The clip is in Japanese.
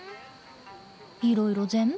いろいろ全部か。